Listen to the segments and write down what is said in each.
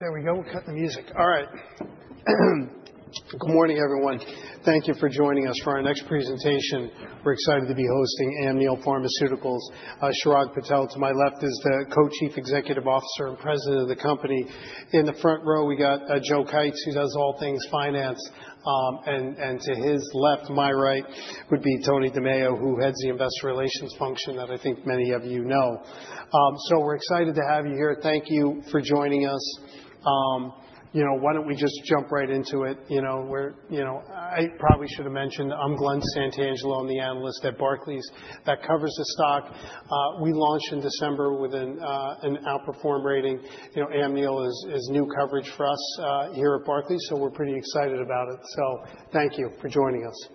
There we go. Cut the music. All right. Good morning, everyone. Thank you for joining us. For our next presentation, we're excited to be hosting Amneal Pharmaceuticals. Chirag Patel, to my left, is the Co-Chief Executive Officer and President of the company. In the front row, we got Joe Todisco who does all things finance. To his left, my right, would be Tony DiMeo, who heads the investor relations function that I think many of you know. We're excited to have you here. Thank you for joining us. You know, why don't we just jump right into it? You know, I probably should have mentioned, I'm Glen Santangelo, I'm the analyst at Barclays that covers the stock. We launched in December with an outperform rating. You know, Amneal is new coverage for us here at Barclays, so we're pretty excited about it. Thank you for joining us.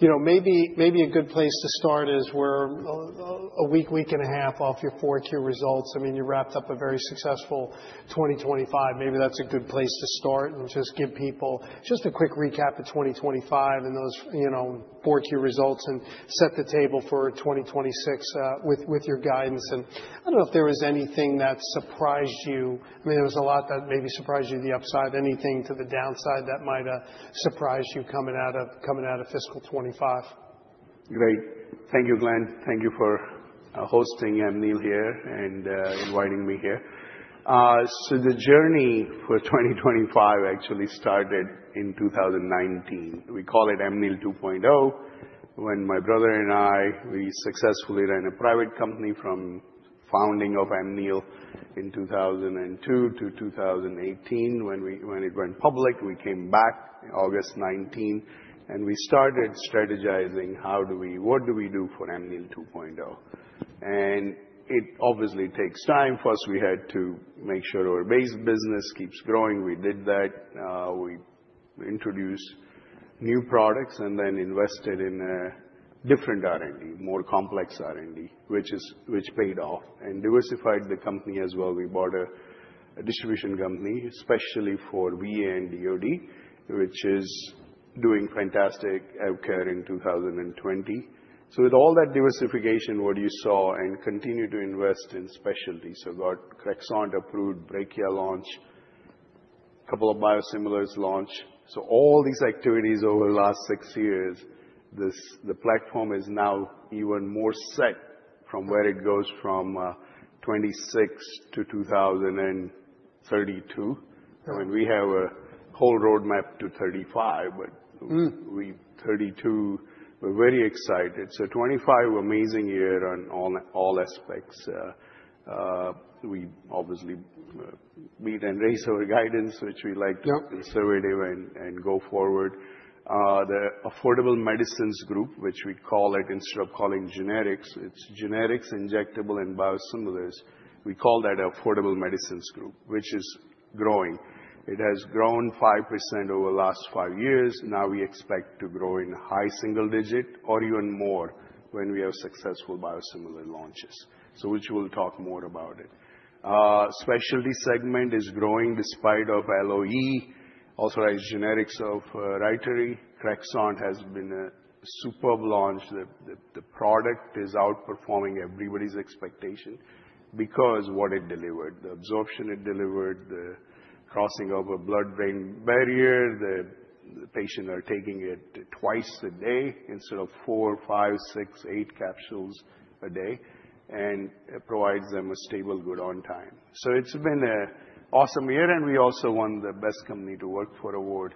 You know, maybe a good place to start is we're a week and a half off your fiscal year results. I mean, you wrapped up a very successful 2025. Maybe that's a good place to start and just give people just a quick recap of 2025 and those, you know, fiscal year results and set the table for 2026 with your guidance. I don't know if there was anything that surprised you. I mean, there was a lot that maybe surprised you the upside, anything to the downside that might surprise you coming out of fiscal 2025. Great. Thank you, Glen. Thank you for hosting Amneal here and inviting me here. The journey for 2025 actually started in 2019. We call it Amneal 2.0. When my brother and I, we successfully ran a private company from founding of Amneal in 2002 to 2018 when it went public. We came back August 2019, and we started strategizing, what do we do for Amneal 2.0? It obviously takes time. First, we had to make sure our base business keeps growing. We did that. We introduced new products and then invested in different R&D, more complex R&D, which paid off. Diversified the company as well. We bought a distribution company, especially for VA and DoD, which is doing fantastic. AvKARE in 2020. With all that diversification, what you saw and continue to invest in specialties. Got CREXONT approved, Brekiya launch, couple of biosimilars launch. All these activities over the last six years, the platform is now even more set from where it goes from 2026 to 2032. I mean, we have a whole roadmap to 2035, but 2032, we're very excited. 2025, amazing year on all aspects. We obviously meet and raise our guidance, which we like. Yep. To be conservative and go forward. The Affordable Medicines Group, which we call it instead of calling generics, it's generics, injectable, and biosimilars. We call that Affordable Medicines Group, which is growing. It has grown 5% over the last five years. Now we expect to grow in high single digit or even more when we have successful biosimilar launches. Which we'll talk more about it. Specialty segment is growing despite of LOE, authorized generics of RYTARY. CREXONT has been a superb launch. The product is outperforming everybody's expectation because what it delivered, the absorption it delivered, the crossing over blood-brain barrier. The patient are taking it twice a day instead of four, five, six, eight capsules a day, and it provides them a stable good on time. It's been an awesome year, and we also won the Best Company to Work For Award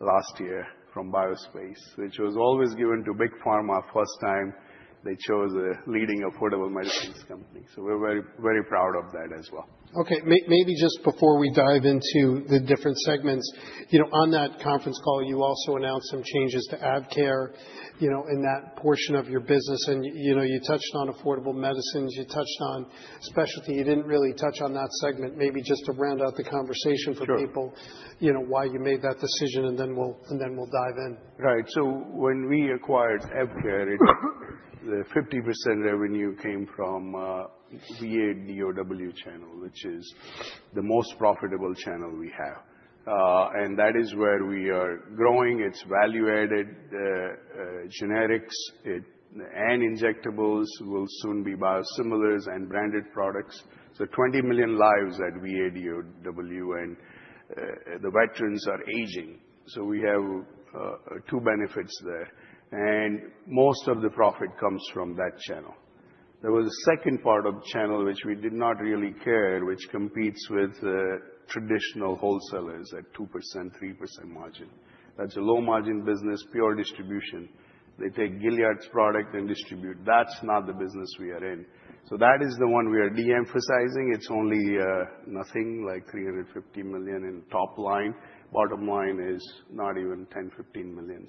last year from BioSpace, which was always given to big pharma. First time they chose a leading affordable medicines company. We're very, very proud of that as well. Okay. Maybe just before we dive into the different segments, you know, on that conference call, you also announced some changes to AvKARE, you know, in that portion of your business. You know, you touched on Affordable Medicines, you touched on specialty, you didn't really touch on that segment. Maybe just to round out the conversation for people. Sure. You know, why you made that decision, and then we'll dive in. Right. When we acquired AvKARE, the 50% revenue came from VA/DoW channel, which is the most profitable channel we have. That is where we are growing. It's value-added generics and injectables, will soon be biosimilars and branded products. 20 million lives at VA/DoW and the veterans are aging, so we have two benefits there. Most of the profit comes from that channel. There was a second part of the channel which we did not really care, which competes with traditional wholesalers at 2%, 3% margin. That's a low margin business, pure distribution. They take Gilead's product and distribute. That's not the business we are in. That is the one we are de-emphasizing. It's only nothing like $350 million in top line. Bottom line is not even $10 million-$15 million.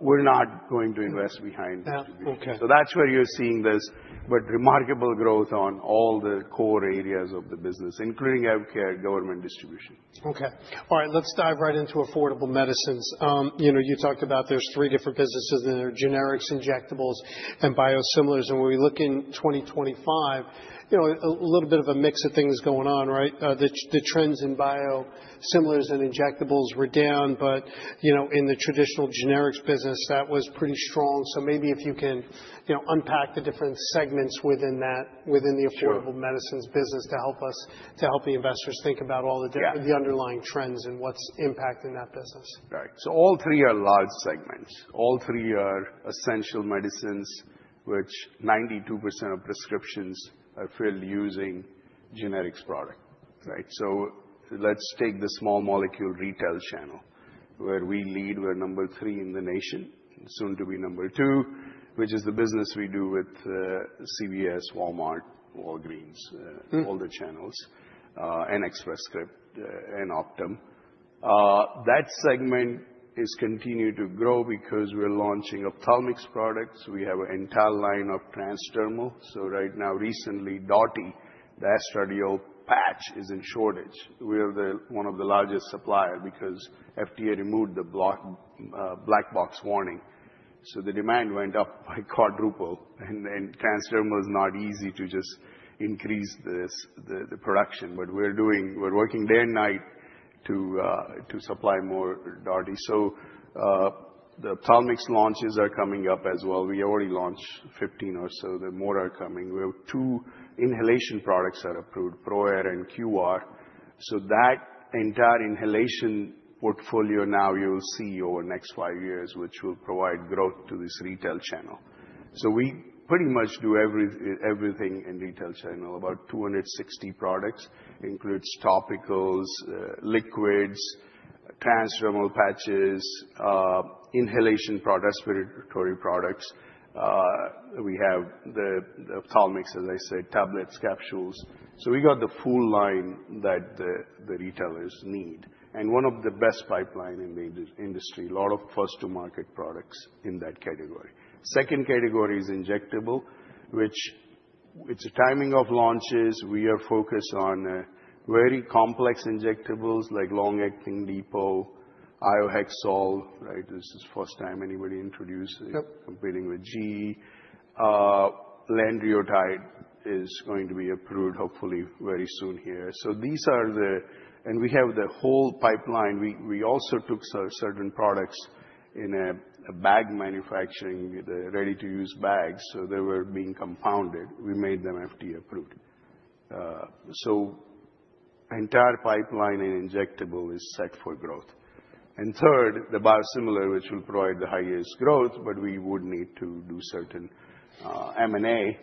We're not going to invest behind distribution. Yeah. Okay. That's where you're seeing this, but remarkable growth on all the core areas of the business, including AvKARE government distribution. Okay. All right. Let's dive right into Affordable Medicines. You know, you talked about there's three different businesses, and they're generics, injectables, and biosimilars. When we look in 2025, you know, a little bit of a mix of things going on, right? The trends in biosimilars and injectables were down, but you know, in the traditional generics business, that was pretty strong. Maybe if you can, you know, unpack the different segments within that. Sure. Affordable Medicines business to help us, to help the investors think about all the different Yeah. The underlying trends and what's impacting that business. Right. All three are essential medicines, which 92% of prescriptions are filled using generics product, right? Let's take the small molecule retail channel, where we lead. We're number three in the nation, soon to be number two, which is the business we do with CVS, Walmart, Walgreens. All the channels, and Express Scripts, and Optum. That segment is continuing to grow because we're launching ophthalmics products. We have an entire line of transdermal. Right now, recently, DOTTI, the Astellas patch is in shortage. We are one of the largest supplier because FDA removed the block, black box warning. The demand went up by quadruple, and then transdermal is not easy to just increase the production. But we're working day and night to supply more DOTTI. The ophthalmics launches are coming up as well. We already launched 15 or so. There are more coming. We have two inhalation products that are approved, PROAIR and QVAR. That entire inhalation portfolio now you'll see over the next five years, which will provide growth to this retail channel. We pretty much do everything in retail channel. About 260 products, includes topicals, liquids, transdermal patches, inhalation products, respiratory products. We have the ophthalmics, as I said, tablets, capsules. We got the full line that the retailers need, and one of the best pipeline in the industry. A lot of first to market products in that category. Second category is injectable, which it's timing of launches, we are focused on, very complex injectables like long-acting depot, iohexol, right? This is the first time anybody introduced it. Yep. Competing with GE HealthCare. Lanreotide is going to be approved hopefully very soon here. These are the. We have the whole pipeline. We also took certain products in a bag manufacturing, the ready-to-use bags, so they were being compounded. We made them FDA-approved. Entire pipeline in injectables is set for growth. Third, the biosimilars, which will provide the highest growth, but we would need to do certain M&A.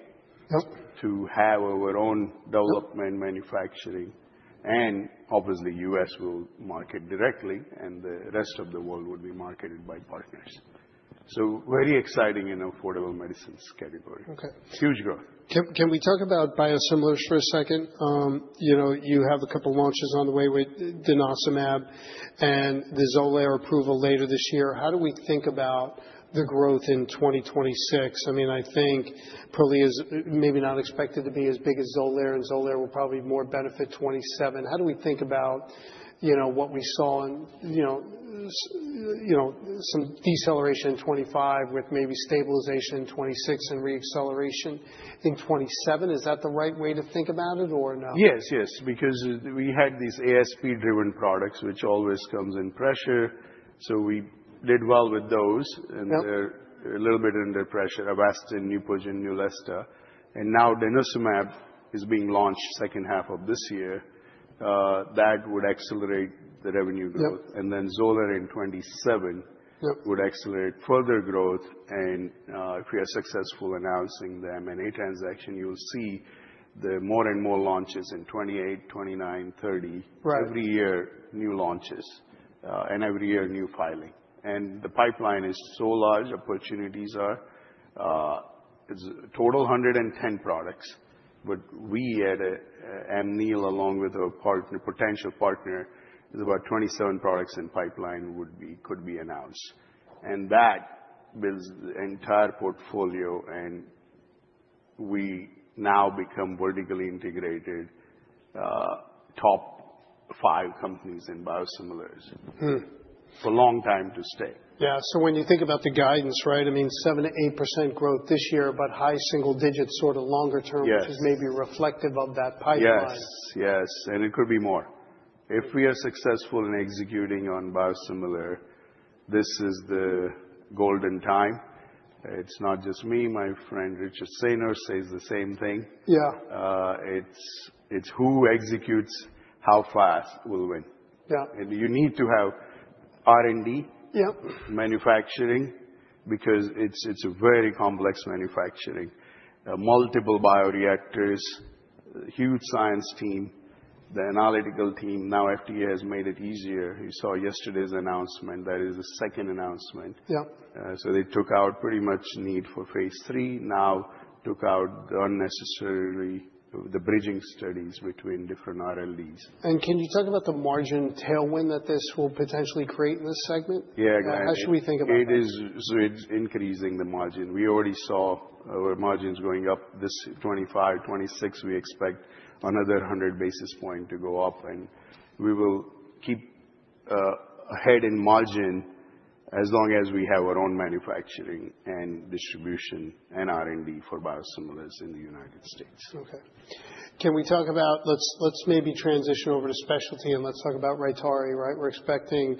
Yep. To have our own development, manufacturing, and obviously, U.S. will market directly, and the rest of the world would be marketed by partners. Very exciting in Affordable Medicines category. Okay. Huge growth. Can we talk about biosimilars for a second? You know, you have a couple launches on the way with denosumab and the XOLAIR approval later this year. How do we think about the growth in 2026? I mean, I think probably is, maybe not expected to be as big as XOLAIR, and XOLAIR will probably more benefit 2027. How do we think about, you know, what we saw in some deceleration in 2025 with maybe stabilization in 2026 and re-acceleration in 2027? Is that the right way to think about it or no? Yes, yes, because we had these ASP-driven products, which always come under pressure, so we did well with those. Yep. They're a little bit under pressure, Avastin, Neupogen, Neulasta. Now denosumab is being launched second half of this year. That would accelerate the revenue growth. Yep. XOLAIR in 2027- Yep. Would accelerate further growth. If we are successful in announcing the M&A transaction, you'll see the more and more launches in 2028, 2029, 2030. Right. Every year, new launches, and every year, new filing. The pipeline is so large, opportunities are, it's total 110 products. But we at Amneal, along with our potential partner, is about 27 products in pipeline would be, could be announced. That builds the entire portfolio, and we now become vertically integrated, top five companies in biosimilars. For a long time to stay. Yeah. When you think about the guidance, right? I mean, 7%-8% growth this year, but high single digits sort of longer term. Yes. Which is maybe reflective of that pipeline. Yes, yes. It could be more. If we are successful in executing on biosimilars, this is the golden time. It's not just me. My friend Richard Saynor says the same thing. Yeah. It's who executes how fast will win. Yeah. You need to have R&D. Yep. Manufacturing, because it's a very complex manufacturing. Multiple bioreactors, huge science team, the analytical team. Now FDA has made it easier. You saw yesterday's announcement. That is the second announcement. Yep. They took out pretty much the need for phase III, now took out unnecessarily the bridging studies between different RLDs. Can you talk about the margin tailwind that this will potentially create in this segment? Yeah, glad- How should we think about that? It is, so it's increasing the margin. We already saw our margins going up this 2025. 2026, we expect another 100 basis points to go up, and we will keep ahead in margin as long as we have our own manufacturing and distribution and R&D for biosimilars in the United States. Okay. Can we talk about, let's maybe transition over to specialty and let's talk about RYTARY, right? We're expecting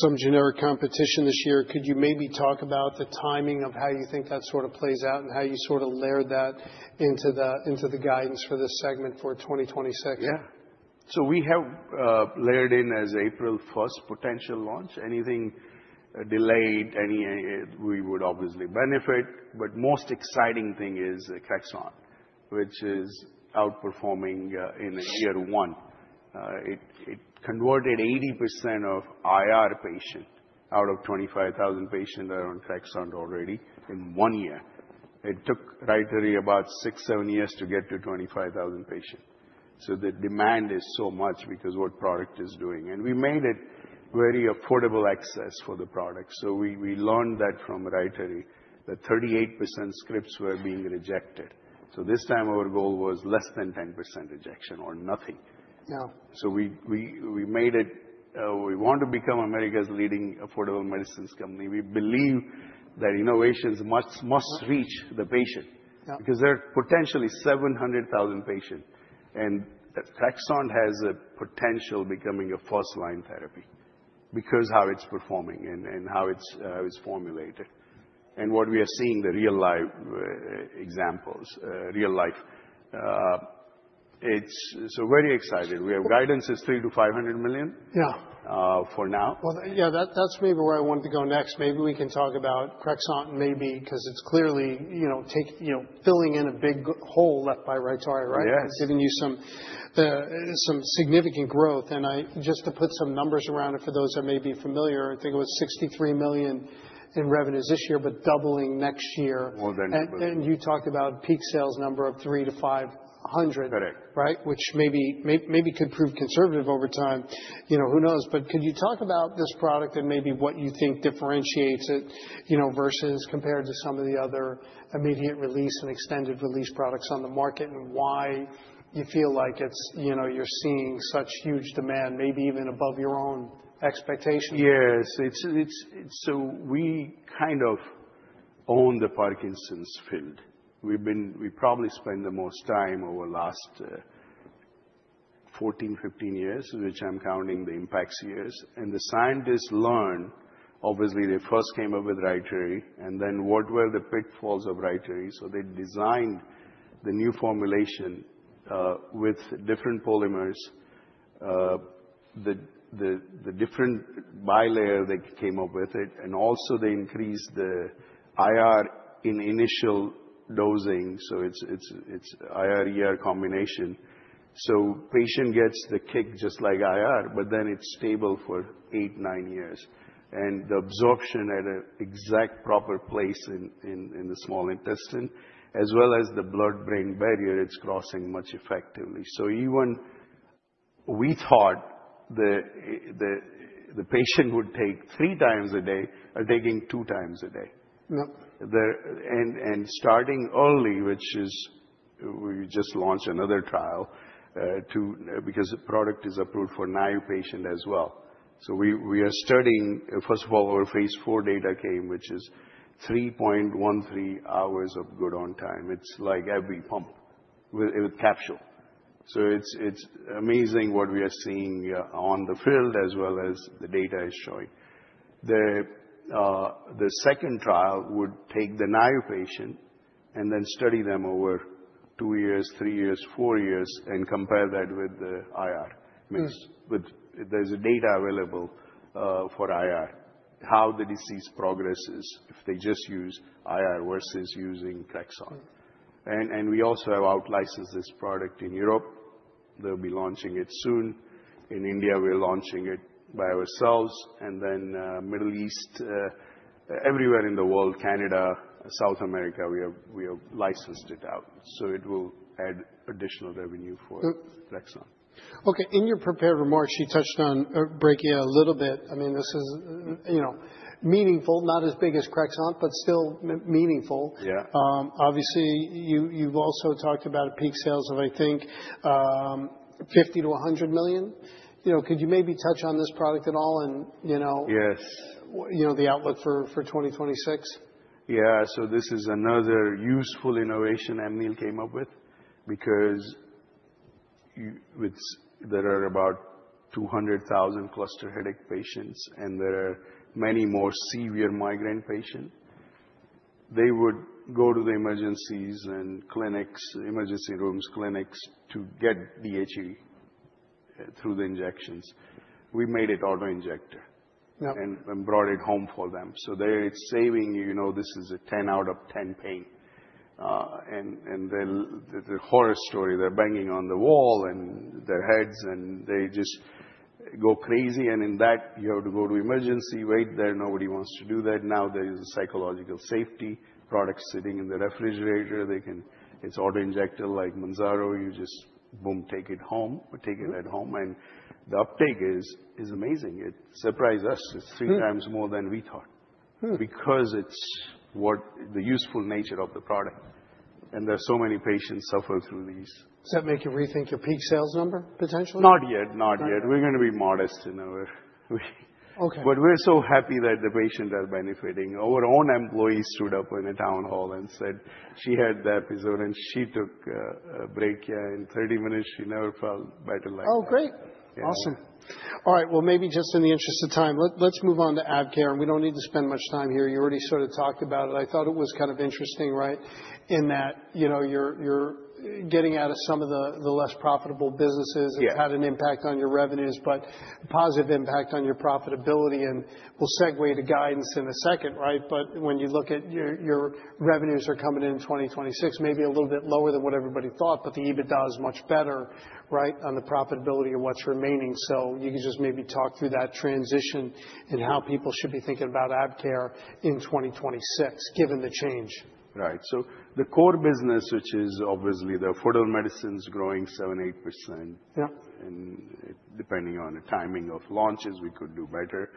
some generic competition this year. Could you maybe talk about the timing of how you think that sort of plays out and how you sort of layer that into the guidance for this segment for 2026? We have layered in as April first potential launch. Anything delayed, we would obviously benefit. Most exciting thing is CREXONT, which is outperforming in year one. It converted 80% of ER patients out of 25,000 patients that are on CREXONT already in one year. It took RYTARY about six, seven years to get to 25,000 patients. The demand is so much because what product is doing, and we made it very affordable access for the product. We learned that from RYTARY that 38% scripts were being rejected. This time our goal was less than 10% rejection or nothing. Yeah. We want to become America's leading affordable medicines company. We believe that innovations must reach the patient. Yeah. Because there are potentially 700,000 patients, and CREXONT has a potential becoming a first-line therapy because how it's performing and how it's formulated and what we are seeing the real-life examples, real life. It's so very exciting. We have guidance is $300 million-$500 million. Yeah. For now. Well, yeah, that's maybe where I wanted to go next. Maybe we can talk about CREXONT, maybe, 'cause it's clearly, you know, filling in a big hole left by RYTARY, right? Yes. It's giving you some significant growth. I just to put some numbers around it, for those that may be familiar, I think it was $63 million in revenues this year, but doubling next year. More than doubling. You talked about peak sales number of $300 million-$500 million. Correct. Right? Which maybe could prove conservative over time. You know, who knows? Can you talk about this product and maybe what you think differentiates it, you know, versus compared to some of the other immediate release and extended release products on the market, and why you feel like it's, you know, you're seeing such huge demand, maybe even above your own expectation? Yes. We kind of own the Parkinson's field. We probably spend the most time over the last 14, 15 years, which I'm counting the Impax years. The scientists learn, obviously they first came up with RYTARY and then what were the pitfalls of RYTARY. They designed the new formulation with different polymers, the different bilayer that came up with it. Also they increased the IR in initial dosing. It's IR/ER combination. Patient gets the kick just like IR, but then it's stable for 8, 9 years. The absorption at an exact proper place in the small intestine as well as the blood-brain barrier, it's crossing much effectively. Even we thought the patient would take 3x a day are taking 2x a day. Yeah. Starting early, which is we just launched another trial, because the product is approved for naive patient as well. We are studying, first of all, our phase IV data came, which is 3.13 hours of good on time. It's like every pump with a capsule. It's amazing what we are seeing on the field as well as the data is showing. The second trial would take the naive patient and then study them over two years, three years, four years and compare that with the IR. There's data available for IR, how the disease progresses if they just use IR versus using CREXONT. We also have outlicensed this product in Europe. They'll be launching it soon. In India, we're launching it by ourselves and then Middle East, everywhere in the world, Canada, South America, we have licensed it out, so it will add additional revenue for CREXONT. Okay. In your prepared remarks, you touched on Brekiya a little bit. I mean, this is, you know, meaningful, not as big as CREXONT, but still meaningful. Yeah. Obviously, you've also talked about peak sales of, I think, $50 million-$100 million. You know, could you maybe touch on this product at all and you know? Yes. You know, the outlook for 2026? This is another useful innovation Amneal came up with because there are about 200,000 cluster headache patients, and there are many more severe migraine patients. They would go to the emergency rooms and clinics to get DHE through the injections. We made it auto-injector. Yeah. Brought it home for them. They're saving, you know, this is a 10 out of 10 pain. The horror story, they're banging on the wall and their heads, and they just go crazy. In that, you have to go to emergency, wait there. Nobody wants to do that. Now there is a psychological safety product sitting in the refrigerator. They can. It's auto-injector like Mounjaro. You just boom, take it home or take it at home. The uptake is amazing. It surprised us. It's three times more than we thought. Because it's the useful nature of the product, and there are so many patients suffer through these. Does that make you rethink your peak sales number potentially? Not yet. Not yet. Okay. We're gonna be modest in our way. Okay. We're so happy that the patients are benefiting. Our own employees stood up in a town hall and said she had the episode and she took Brekiya. In 30 minutes, she never felt better like that. Oh, great. Awesome. All right, well, maybe just in the interest of time, let's move on to AvKARE, and we don't need to spend much time here. You already sort of talked about it. I thought it was kind of interesting, right? In that, you know, you're getting out of some of the less profitable businesses. Yeah. It had an impact on your revenues, but a positive impact on your profitability. We'll segue to guidance in a second, right? When you look at your revenues are coming in 2026, maybe a little bit lower than what everybody thought, but the EBITDA is much better, right, on the profitability of what's remaining. You can just maybe talk through that transition and how people should be thinking about AvKARE in 2026, given the change. Right. The core business, which is obviously the Affordable Medicines growing 7%-8%. Yeah. Depending on the timing of launches, we could do better.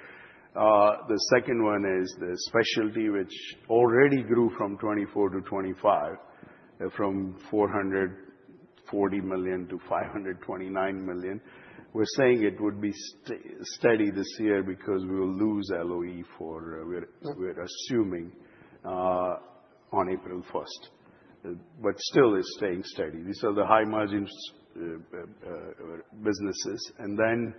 The second one is the specialty which already grew from 2024 to 2025, from $440 million to $529 million. We're saying it would be steady this year because we'll lose LOE for we're- Yeah We're assuming on April first. Still is staying steady. These are the high margins businesses. Then,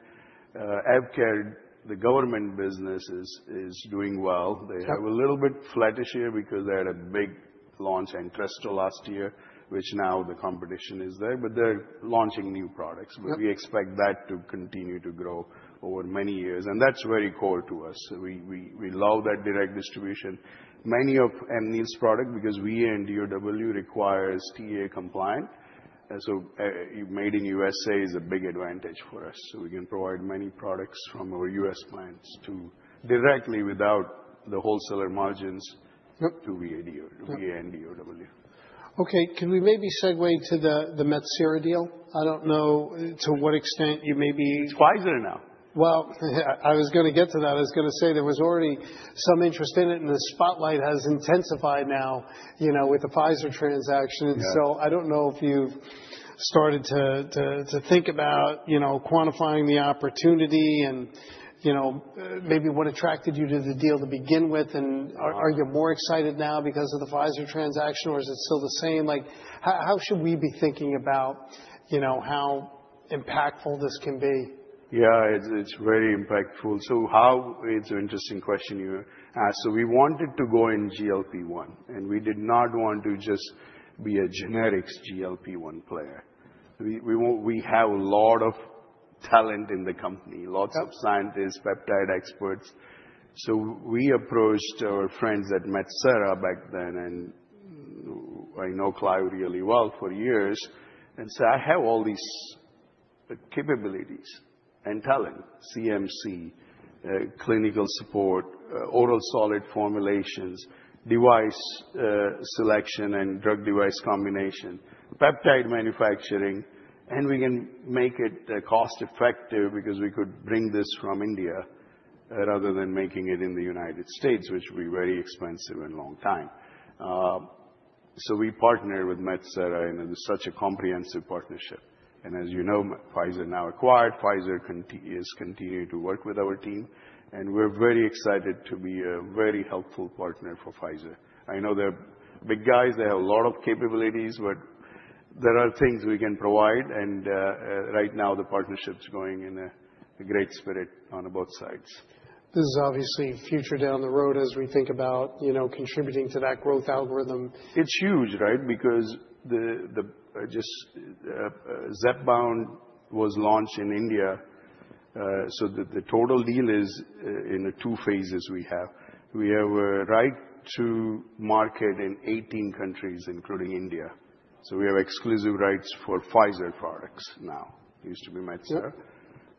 AvKARE, the government business is doing well. Yeah. They have a little bit flattish year because they had a big launch in CREXONT last year, which now the competition is there, but they're launching new products. Yeah. We expect that to continue to grow over many years, and that's very core to us. We love that direct distribution. Many of Amneal's products, because VA and DoW require TAA compliant, made in USA is a big advantage for us. We can provide many products from our U.S. plants to VA directly without the wholesaler margins. Yep ...to VA, DoD or VA and DoD or W. Okay, can we maybe segue to the Metsera deal? I don't know to what extent you maybe- It's Pfizer now. Well, I was gonna get to that. I was gonna say there was already some interest in it, and the spotlight has intensified now, you know, with the Pfizer transaction. Yeah. I don't know if you've started to think about, you know, quantifying the opportunity and, you know, maybe what attracted you to the deal to begin with, and are you more excited now because of the Pfizer transaction, or is it still the same? Like, how should we be thinking about, you know, how impactful this can be? Yeah, it's very impactful. It's an interesting question you ask. We wanted to go in GLP-1, and we did not want to just be a generics GLP-1 player. We have a lot of talent in the company. Yeah Lots of scientists, peptide experts. We approached our friends at Metsera back then, and I know Clyde really well for years. I have all these capabilities and talent, CMC, clinical support, oral solid formulations, device selection and drug device combination, peptide manufacturing, and we can make it cost-effective because we could bring this from India rather than making it in the United States, which will be very expensive and long time. We partnered with Metsera, and it was such a comprehensive partnership. As you know, Pfizer now acquired, Pfizer is continuing to work with our team, and we're very excited to be a very helpful partner for Pfizer. I know they're big guys, they have a lot of capabilities, but there are things we can provide, and right now the partnership's going in a great spirit on both sides. This is obviously future down the road as we think about, you know, contributing to that growth algorithm. It's huge, right? Because just Zepbound was launched in India, so the total deal is in the two phases we have. We have a right to market in 18 countries, including India. We have exclusive rights for Pfizer products now. Used to be Metsera. Yeah.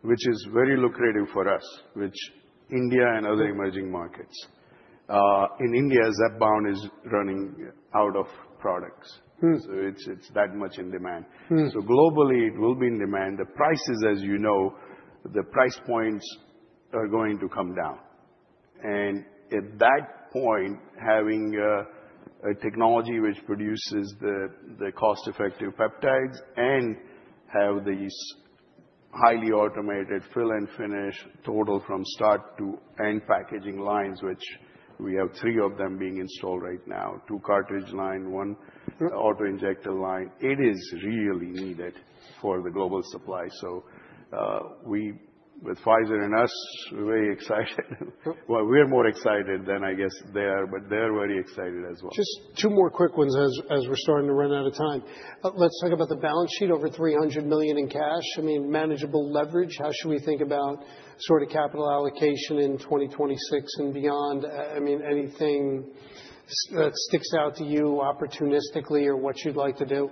Which is very lucrative for us in India and other emerging markets. In India, Zepbound is running out of products. It's that much in demand. Globally, it will be in demand. The prices, as you know, the price points are going to come down. At that point, having a technology which produces the cost-effective peptides and have these highly automated fill and finish total from start to end packaging lines, which we have three of them being installed right now, two cartridge line, one auto-injector line. It is really needed for the global supply. We with Pfizer and us, we're very excited. Well, we're more excited than I guess they are, but they're very excited as well. Just two more quick ones as we're starting to run out of time. Let's talk about the balance sheet, over $300 million in cash. I mean, manageable leverage. How should we think about sort of capital allocation in 2026 and beyond? I mean, anything that sticks out to you opportunistically or what you'd like to do?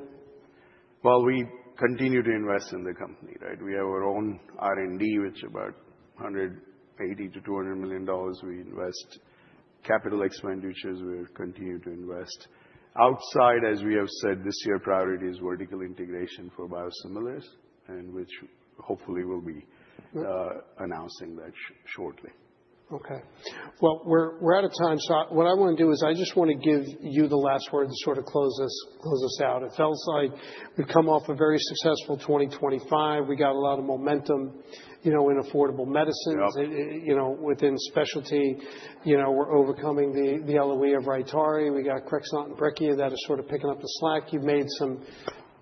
Well, we continue to invest in the company, right? We have our own R&D, which about $180 million-$200 million we invest. Capital expenditures, we'll continue to invest. Outside, as we have said, this year priority is vertical integration for biosimilars, and which hopefully we'll be announcing that shortly. Okay. Well, we're out of time. What I wanna do is I just wanna give you the last word to sort of close us out. It feels like we've come off a very successful 2025. We got a lot of momentum, you know, in affordable medicines. Yep. You know, within specialty, you know, we're overcoming the LOE of RYTARY. We got CREXONT and Brekiya that are sort of picking up the slack. You've made some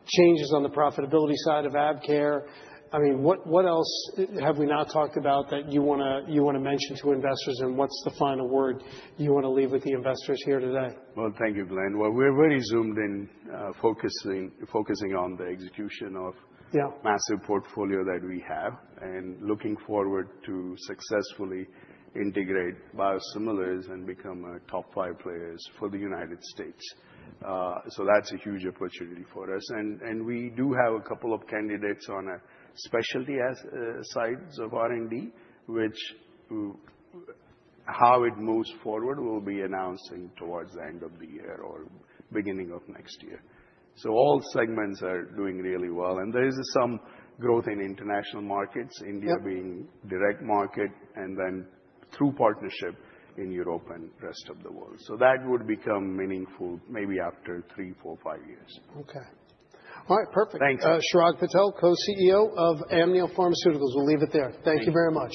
changes on the profitability side of AvKARE. I mean, what else have we not talked about that you wanna mention to investors, and what's the final word you wanna leave with the investors here today? Well, thank you, Glen. Well, we're very zoomed in, focusing on the execution of Yeah massive portfolio that we have and looking forward to successfully integrate biosimilars and become a top five players for the United States. So that's a huge opportunity for us. We do have a couple of candidates on specialty assets sides of R&D, which how it moves forward, we'll be announcing towards the end of the year or beginning of next year. All segments are doing really well. There is some growth in international markets. Yep India being direct market and then through partnership in Europe and rest of the world. That would become meaningful maybe after three, four, five years. Okay. All right. Perfect. Thanks. Chirag Patel, Co-CEO of Amneal Pharmaceuticals. We'll leave it there. Thank you very much.